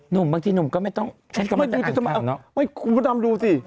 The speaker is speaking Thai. นุ่มบางทีนุ่มก็ไม่ต้องฉันก็ไม่เป็นอันคารเนอะโอ๊ยคุณพุนัมดูสิ